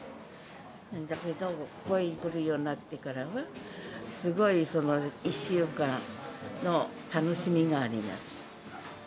だけど、ここに来るようになってからは、すごい１週間の楽しみがあります。